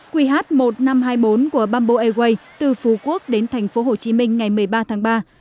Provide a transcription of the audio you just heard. qh một nghìn năm trăm hai mươi bốn của bubble airways từ phú quốc đến thành phố hồ chí minh ngày một mươi ba tháng ba